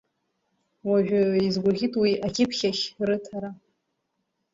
Уажәы изгәаӷьит уи акьыԥхьахь рыҭара.